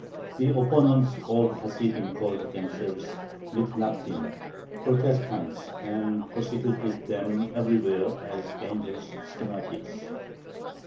The opponents of the Hasidim called themselves Mithnagdim, "Protestants," and persecuted them everywhere as dangerous schismatics.